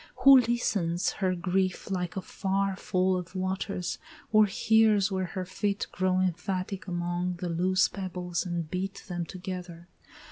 Who listens her grief Like a far fall of waters, or hears where her feet Grow emphatic among the loose pebbles, and beat Them together?